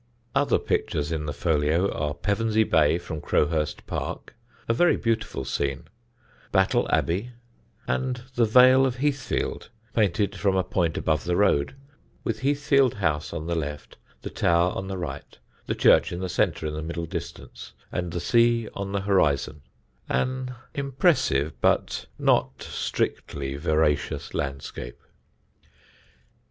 Other pictures in the folio are "Pevensey Bay from Crowhurst Park," a very beautiful scene, "Battle Abbey," and "The Vale of Heathfield," painted from a point above the road, with Heathfield House on the left, the tower on the right, the church in the centre in the middle distance, and the sea on the horizon: an impressive but not strictly veracious landscape.